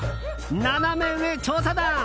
ナナメ上調査団！